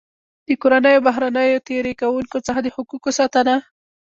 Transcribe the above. د کورنیو او بهرنیو تېري کوونکو څخه د حقوقو ساتنه.